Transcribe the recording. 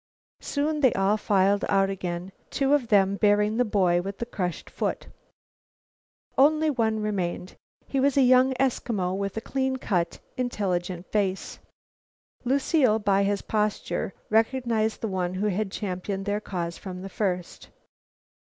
Soon they all filed out again, two of them bearing the boy with the crushed foot. Only one remained. He was a young Eskimo with a clean cut intelligent face. Lucile, by his posture, recognized the one who had championed their cause from the first.